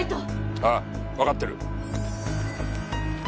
ああわかってる。